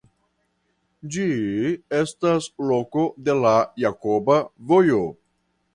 Ĝi estas loko de la Jakoba Vojo.